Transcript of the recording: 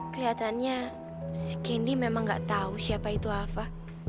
keliatannya si candy memang gak tahu siapa itu alva